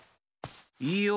いいよ。